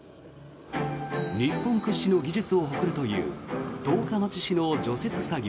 日本屈指の技術を誇るという十日町市の除雪作業。